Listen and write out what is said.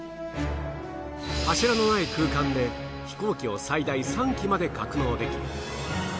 柱のない空間で飛行機を最大３機まで格納でき